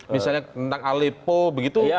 misalnya tentang aleppo begitu